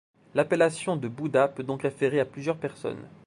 L'appellation de bouddha peut donc référer à plusieurs personnes.